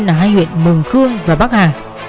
dân ở hai huyện mường khương và bắc hà